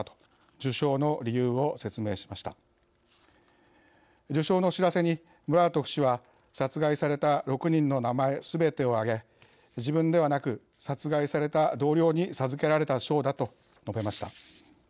受賞の知らせに、ムラートフ氏は殺害された６人の名前すべてを挙げ、自分ではなく「殺害された同僚に授けられた賞だ」と述べました。